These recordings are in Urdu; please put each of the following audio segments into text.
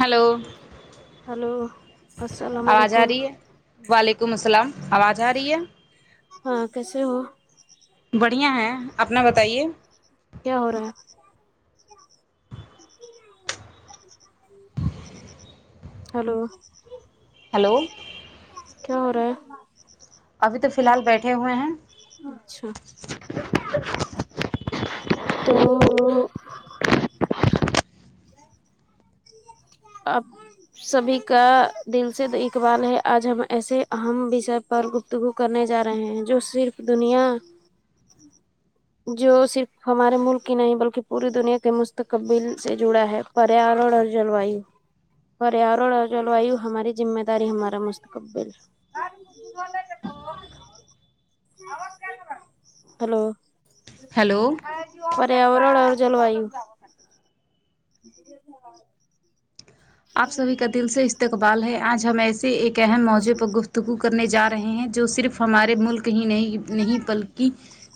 ہلو ہلو السلام آواز آ علیکم رہی ہے وعلیکم السلام آواز آ رہی ہے ہاں کیسے ہو بڑھیا ہیں اپنا بتائیے کیا ہو رہا ہے [inaudible] ہلو ہیلو کیا ہو رہا ہے ابھی تو فیلحال بیٹھے ہوئے ہیں اچھا تو تو آپ سبھی کا دل سے اقبال ہے آج ہم ایسے اہم وش پر گفتگو کرنے جا رہے ہیں جو صرف دنیا [unintelligible] جو صرف ہمارے ملک کی نہیں بلکی پوری دنیا کے مستقبل سے جڑا ہے پریارورا جلویو پریارورا اور جلوآی ہماری ذمہ داری ہمارا مستقبل ہلو ہیلو پریاواران اور جلوآی ہوں آپ سبھی کا دل سے استقبال ہے آج ہمیں ایس سے ایک اہم موزے پر گفتگو کرنے جا رہے ہیں جو صرف ہمارے ملک ہی نہیں نہیں بلکی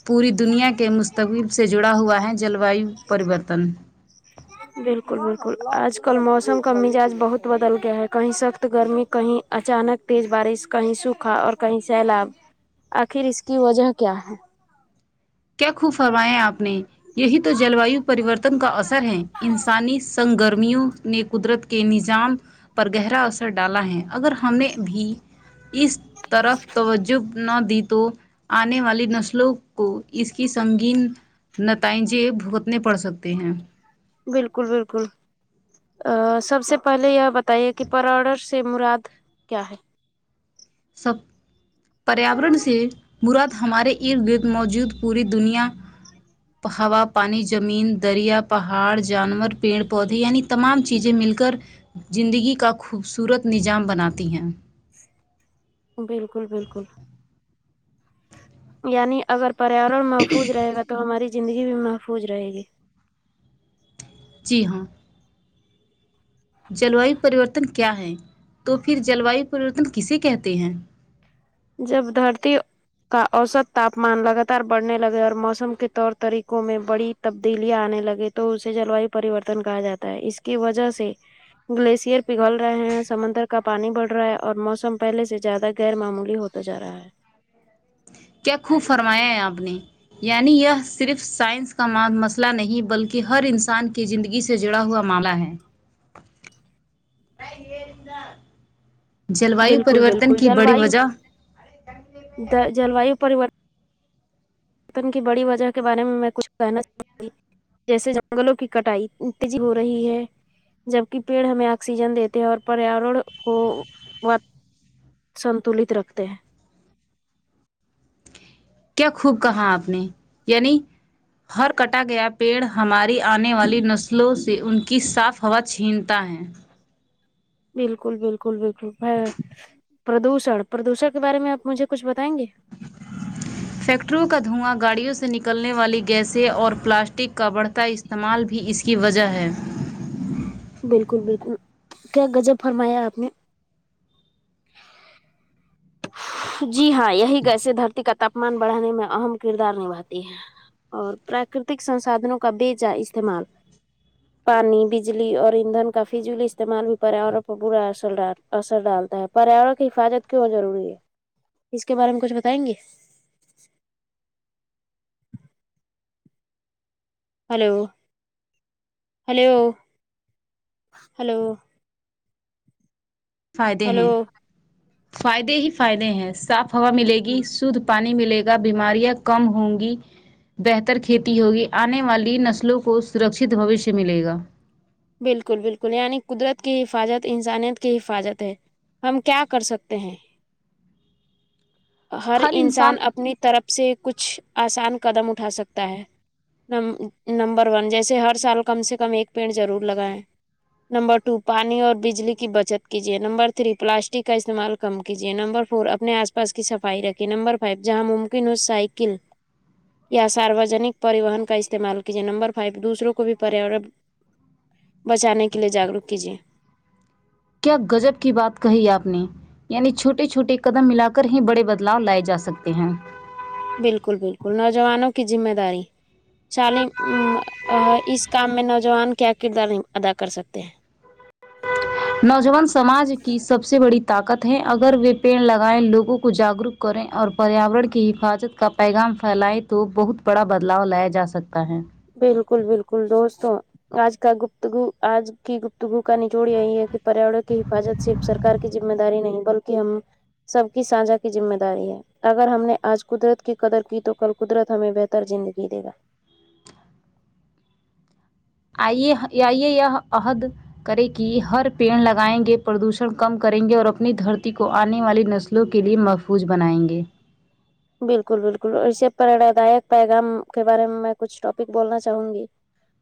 پوری دنیا کے مستقبب سے جڑا ہوا ہے چلو وایو پریوارتن بالکل بالکل آج کل موسم کا مزاج بہت بدل گیا ہے کہیں سخت گرمی کہیں اچانک تیز بارش کہیں سوکھا اور کہیں سیلاب آخر اس کی وجہ کیا ہے کیا خوب فرمایا آپ نے یہی تو جل وایو پریوارتن کا اثر ہے انسانی سنگ گرمی نے قدرت کے نظام پر گہرا اثر ڈالا ہے اگر ہم نے بھی اس طرف توجہ نہ دی تو آنے والے نسلوں کو اس کی سنگین نتائجے بھگتنے پڑ سکتے ہیں بالکل بالکل ا سب سے پھلے یہ بتایی کی پر آڈر سے موراد کیا ہے سب پریاورن سے موراد ہمارے ارد گرد موجود پوری دنیا ہے ہوا پانی جمین دریا پہاڑ جانور پیڑ پودے یعنی تمام چیزیں مل کر زندگی کا خوبصورت نظام بناتی ہیں بالکل بالکل یعنی اگر پریاورن محفوظ رہے گا تو ہماری زندگی بھی محفوظ رہے گی جی ہاں جلوائی پریوارتن کیا تو پھر جلوائی پریوارتن کیسے کہتے ہے جب دھرتی کا اوسط تاپمان لگاتار بڑھنے لگے اور موسم کے طور طریقوں میں بڑی تبدیلیاں آنے لگے تو اسے جل ویو پریورتن کہا جاتا ہے اس کی وجہ سے گلیشئر پگھل رہے ہیں سمندر کا پانی بڑھ رہا ہے اور موسم پہلے سے زیادہ غیر معمولی ہوتا جا رہا ہے کیا خوب فرمایا ہے آپ نے یعنی یہ صرف سائنس کا مسئلہ نہیں بلکی ہر انسان کی زندگی گی سے جڑا ہوا معاملہ ہے جل ایو بالکل پرریورتن بالکل کی بڑی وجہ دا جل وایو پریوارتن وتن کی بڑی وجہ کے بارے میں کچھ کہنا چاہوں گی جیسے جنگلوں کی کٹائی تجی ہو رہی ہے جبکی پیڑ ہمیں آکسیجن دیتے ہیں اور پیاورن کو سنتولت رکھتے ہیں کیا خوب کہا آپ نے یعنی ہر کٹا گیا پیڑ ہماری آنے والی نسلوں سے ان کی صاف ہوا چھنتا ہے بالکل بالکل بالکل پردوشن پردوشن کے بارے میں آپ مجھے کچھ بتائیں گے فیکٹریوں کا دھواں گاڑیوں سے نکلنے والی گیسیں اور پلاسٹک کا بڑھتا استعمال بھی اسی کی وجہ ہے بالکل بالکل کیا گزب فرمایا آپ نے جی ہاں یہی گیسے دھرتی کا تاپمان بڑھانے میں اہم کردار نبھاتی ہے اور پراکرتک سنسدہنو کا بے جا استعمال ہ پانی بجلی اور ایندھن کا فضول استعمال بھی پا اور برا اثر رہا اثر ڈالتا ہے پریاورن کی حفاظت کیوں ضروری ہے اس کے بارے میں کچھ بتائیں گے ہلو ہلو ہلو فائدے ہیں ہلو فائدے ہی فائدے ہیں صاف ہوا ملے گی سدھ پانی ملے گا بیماریاں کم ہوں گی بہتر کھیتی ہوگی آنے والی نسلوں کو سرکھہ شتہ بوشیہ ملے گا بالکل بالکل یعنی قدرت کی حفاظت انسانیت کی حفاظت ہے ہم کیا کر سکتے ہیں [unintelligible] ہر انسان اپنی طرف سے کچھ آسان قدم اٹھا سکتا ہے نمبر ون جیسے ہر سال کم سے کم ایک پیڑ ضرور لگائیں نمبر ٹو پانی اور بجلی کی بچت کیجیے نمبر تھری پلاسٹک کا استعمال کم کیجے نمبر فور اپنے آس پاس کی صفائی رکھے نمبر فائیو جہاں ممکن ہو سائیکل یا ساروجنک پریوہن کا استعمال کیجیے نمبر فائیو دوسروں کو بھی پریو ہن بچانے کے لیے جاگروک کیجیے کیا گجب کی بات کہی آپ نے یعنی چھوٹے چھوٹے قدم ملا کر ہی بڑے بدلاؤ لائے جا سکتے ہیں بالکل بالکل نوجوانوں کی ذمہ داری تالم اس کام میں نوجوان کیا کردار ادا کر سکتے ہیں نوجوان سماج کی سب سے بڑی طاقت ہے اگر وہ پیڑ لگائےیں لوگوں کو جاگروک کریں اور پریاورن کی حفاظت کا پیغام پھیلائیں تو بہت بڑا بدلاؤ لایا جا سکتا ہے بالکل بالکل دوستوں آج کا گپت گ آج کی گپت توگوک [unintelligible] نچوڑ یہی ہے کہ پریاورن کی حفاظت صرف سرار کی ذمہ داری نہیں بلکہ ہم سب کی ساجھا کی ذمہ داری ہے اگر ہم نے آج قدرت کی قدر کی تو کل قدرت ہمیں بہتر زندگی دے گا آئیے آئی یہ عہد کریں کہ ہر پیڑ لگائیں گے پردوشن کم کریں گے اور اپنی دھرتی کو آنے والی نسلوں کے لیے محفوظ بنائیں گے بالکل بالکل اور اسے پریڑا داک پیغام کے بارے میں میں کچھ ٹاپک بولنا چاہوں گی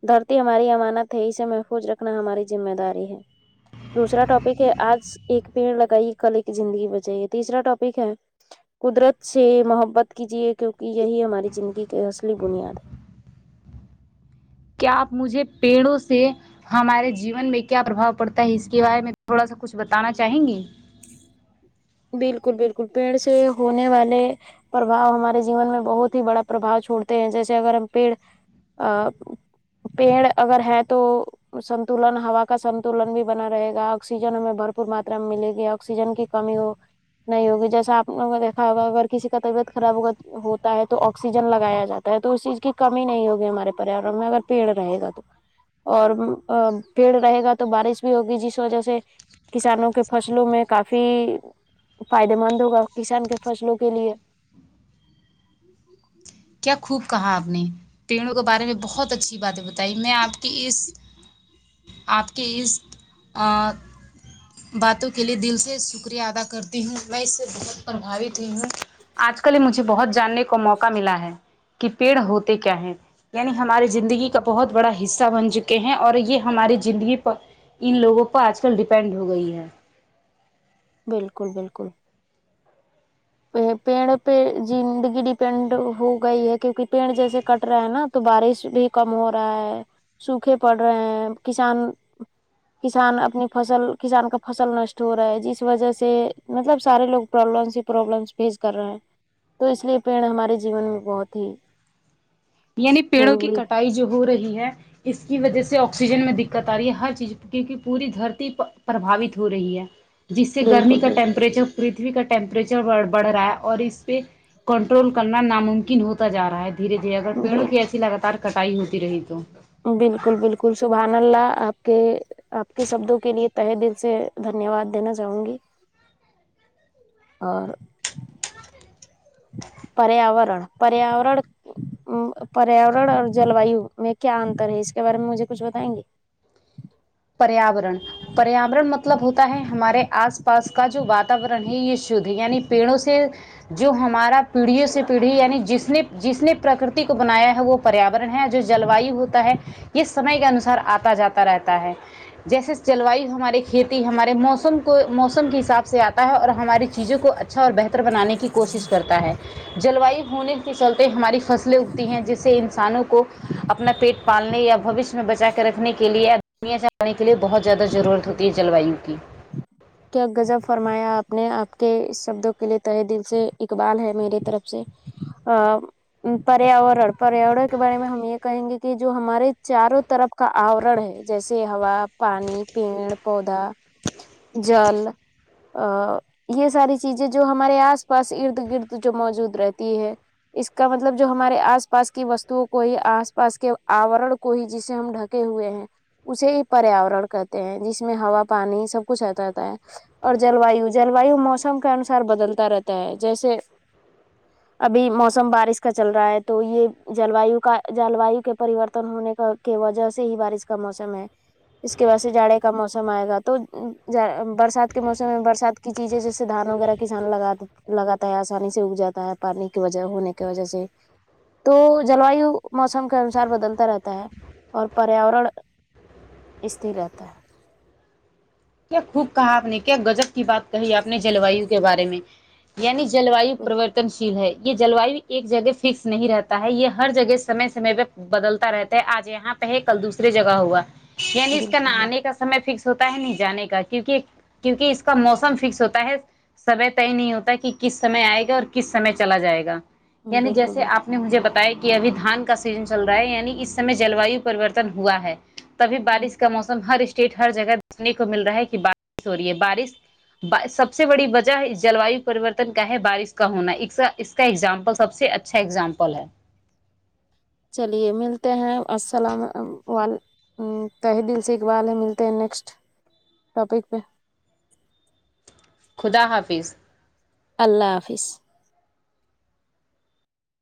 دھرتی ہماری امانت ہے اسے محفوظ رکھنا ہماری ذمہ داری ہے دوسرا ٹاپک ہے آج ایک پیڑ لگائیے کل ایک کی زندگی بجائیے تیسرا ٹاپک ہے قدرت سے محبت کیجیے کیونکہ یہی ہماری زندگی کی اصلی بنیاد ہے کیا آپ مجھے پیڑوں سے ہمارے جیون میں کیا پربھؤ پڑتا ہے اس کے بارے میں تھوڑا سا کچھ بتانا چاہیں گی بالکل بالکل پیڑ سے ہونے والے پربھاؤ ہمارے جیون میں بہت ہی بڑا پربھؤ چھوڑتے ہیں جیسے اگر ہم پیڑ ا پیڑ اگر ہے تو سنتولن ہوا کا سنتولن بھی بنا رہے گا آکسیجن ہمیں بھرپور ماترا میں ملے گی آکسیجن کی کمی ہو نہیں ہوگی جیسا آپ نے نے دیکھا ہوگا اگر کسی کا طبیعت خراب ہو ہوتا ہے تو آکسیجن لگایا جاتا ہے تو اس چیز کی کمی نہیں ہوگی ہمارے پ پریاوارن میں اگر پیڑ رہے گا تو اور پیڑ رہے گا تو بارش بھی ہوگی جس وجہ سے کسانوں کے فصلوں میں کافی فائدے مند ہوگا کسان کے فصلوں کے لیے جچ [inaudible] کیا خوب کہا آپ نے [unintelligible] پرینوں کے بارے میں بہت اچھی باتیں بتایی میں آپ کی اس آپ کے اس باتوں کے لیے دل سے شکریہ ادا کرتی ہوں میں اس سے بہت پربھاوت ہی ہوں آج کل مجھے بہت جاننے کا موقع ملا ہے کہ پیڑ ہوتے کیا ہیں یعنی ہماری زندگی کا بہت بڑا حصہ بن چکے ہیں اور یہ ہماری زندگی پر ان لوگوں پر آج کل ڈیپینڈ ہو گئی ہے بالکل بالکل پیڑ پہ زندگی ڈیپینڈ ہو گئی ہے کیونکہ پیڑ جیسے کٹ رہا ہے نا تو بارش بھی کم ہو رہا ہے سوکھے پڑ رہے ہیں کسان کسان اپنی فصل کسان کا فصل نشت ہو رہا ہے جس وجہ سے مطلب سارے لوگ پروبلمس ہی پروبلمس فیس کر رہے ہیں تو اس لیے پیڑ ہمارے جیون میں بہت ہی یعنی پیڑوں کی ضروری ہے کٹائی جوہورہی ہے اس کی وجہ سے آکسیجن میں دقت آ رہی ہے ہر چیز کیونکہ پوری دھرتی پرپروہریت ہو رہی ہے جس سے گرمی بالکل کا بالکل ٹیمپریچرپری پرتوی کا ٹیمپریچربڑھ رہا ہے اور اس پہ کنٹرول کرنا ناممکن ہوتا جا رہا ہے دھیرے دھیرے اگر پیڑوں کی ایسی لگاتار کٹائی ہوتی رہی تو بالکل بالکل سبحان اللہ آپ کہ آپ کے سبدوں کے لیے تہہ دل سے دھنیوات دینا چاہونگی اں اور پریواران پریاوڑن ہمم پریاوڑن اور جلوائی میں کیا انتر ہے اس کے بارے میں مجھے کچھ بتائینگی پریواران پریواران مطلب ہوتا ہے ہمارے آس پاس کا جو واتواران ہے یہ شدھ ہے یعنی پیڑوں سے جو ہمارا پیڑھیوں سے پیڑھی یعنی جس نے جس نے پرکاتھی کو بنایا ہے وہ پر یواران ہے جو جلوائی ہوتا ہے یہ سمعی کے انوسار آتا جاتا رہتا ہے جیسے جلوائی ہماری کھیتی ہمارے موسم کو موسم کے حساب سے آتا پہ اور ہماری چیزوں کو اچھا اور بہتر بنانے کی کوشش کرتا ہے جلوائی ہونے کے چلتے ہماری فصلیں اگتی ہیں جس انسانوں کو اپنا پیٹ پالنے یا بوشین بچا کے رکھنے کے لیے دنیا چلانے کے لیے بہت زیادہ ضرورت ہوتی ہے جلوائیوں کی کیا غضب فرمایا آپ نے آپ کے سبدوں کے لیے تہہ دل سے اقبال ہے میرے طرف سے عام پریواران پریواران کے بارے میں ہم یہ کہیں گے کہ جو ہمارے چاروں طرف کا آورڑ ہے جیسے ہوا، پانی، پیڑ، پودا جل آں یہ ساری چیزیں جو ہمارے آس پاس ارد گرد جو موجود رہتی ہے اس کا مطلب جو ہمارے آس آس پاس کی وستو کو ہی آس پاس کے آواران کو ہی جیسی ہم ڈھکے ہوئے ہیں اسے پریواران کہتے ہیں جس میں ہوا پانی سب کچھ آتا رہتا ہے اور جلوایو جلوایو موسم کے انوسار بدلتا رہتا ہے جیسے ابھی موسم بارش کا چل رہا ہے تو یہ جلوایوں کا جلوائی کے پریورتن ہونے کا کی وجہ سے ہی بارش کا موسم ہے اس کے واسطے سے جاڑے کا موسم آئیگا تو جانہ برسات کے موسم میں برسات کی چیزیں جیسے دھان وغیرہ کسان لگا دے لگاتا ہے آسانی سے اگ جاتا ہے پانی کی وجہ ہونے کی وجہ سے تو جلوائیوں موسم کے انوسار بدلتا رہتا ہے اور پریواڑان استری رہتا ہے کیا خوب کہا آپ نے کیا غضب کی بات کہی آپ نے جلوائیوں کے بارے میں یعنی جلوائی بالکل پرورت تمثیل ہے یہ جلوائی ایک جگہ فکس نہیں رہتا ہے یہ ہر جگہ سمے سمے پ بدلتا رہتا ہے آج یہاں پہ ہے کل دوسری جگہ ہوا یعنی اس کا نہ بالکل آنے کا سمے فکس ہوتا ہے ن جانے کا کیونکہ کیونکہ اس کا موسم فکس ہوتا ہے سمے طے نہیں ہوتا کہ کس سمے آئیگا اور کس سمے چلا جائیگا یعنی بالکل جیسے آپ انہوں نے مجھے بتایا کہ ابھی دھان کا سیزن چل رہا ہے یعنی اس سمے جلوائی پریوارتن ہوا ہے تبھی بالکل بارش کا موسم ہر اسٹیٹ ہر جگہ دیکھنے کو مل رہا ہے کہ بارش ہو رہی ہے بارش سب سے بڑی وجہ جلوائی پریوارتن کا ہے بارش کا ہونایکساں اس تا ایگزامپل سب سے اچھا ایگزامپل ہے چلیے ملتے ہیں السلام وال ہمم تہہ دل سے اقبال ہے ملتے ہیں نیکسٹ ٹوپک پے خدا حافظ اللہ حافظ